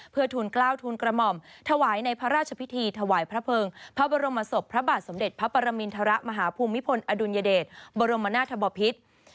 เพื่อทูลกล้าวทูลกระหม่อมถวายในพระราชพิธีถวายพระเภิงพระบรมศพพระบาทสมเด็จพระปรมินทรมาฮภูมิพลอดุลยเดชบรมนาธบพิษ